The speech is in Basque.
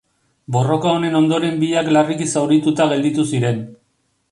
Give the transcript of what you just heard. Borroka honen ondoren biak larriki zaurituta gelditu ziren.